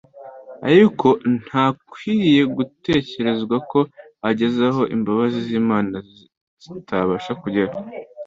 Ariko ntakwiriye gutekerezwa ko ageze aho imbabazi z'Imana zitabasha kugera.